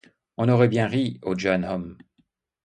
On aurait bien ri au Johannæum !